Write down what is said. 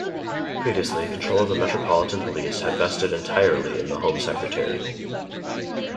Previously control of the Metropolitan Police had vested entirely in the Home Secretary.